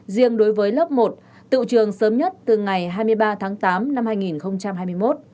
riêng đối với lớp một tự trường sớm nhất từ ngày hai mươi ba tháng tám năm hai nghìn hai mươi một